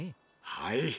はい。